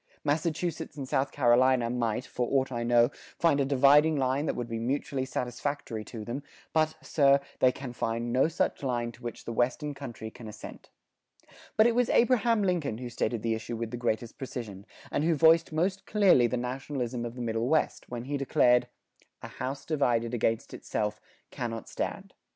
... Massachusetts and South Carolina might, for aught I know, find a dividing line that would be mutually satisfactory to them; but, Sir, they can find no such line to which the western country can assent." But it was Abraham Lincoln who stated the issue with the greatest precision, and who voiced most clearly the nationalism of the Middle West, when he declared, "A house divided against itself cannot stand.